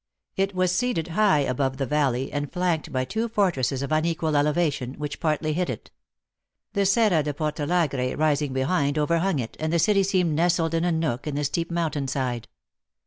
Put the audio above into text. It was seated high above the valley, and flanked by two fortresses of unequal elevation, which partly hid it. The Serra de Portalagre rising behind, overhung it, and the city seemed nestled in a nook in the steep mountain side.